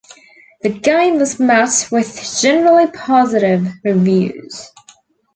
The game was met with generally positive reviews.